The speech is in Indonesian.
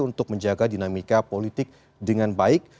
untuk menjaga dinamika politik dengan baik